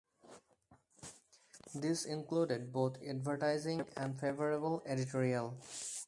This included both advertising and favourable editorial.